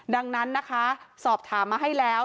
ดังนั้นนะคะสอบถามมาให้แล้ว